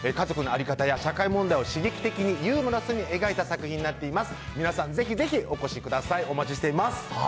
家族の在り方や社会問題を刺激的に、ユーモラスに描いた作品になっています。